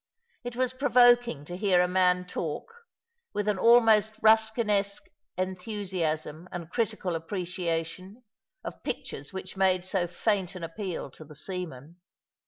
It was provoking to hear a man talk, with an almost Euskinesque enthusiasm and critical appreciation, of pictures which made BO faint an appeal to the seaman.